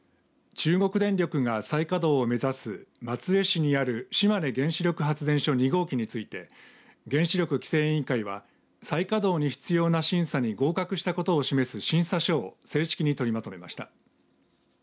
中国電力が再稼働を目指す松江市にある島根原子力発電所２号機について原子力規制委員会は再稼働に必要な審査に合格したことを示す審査書を正式に取りまとめました。